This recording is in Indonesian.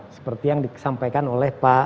seperti yang disampaikan oleh pak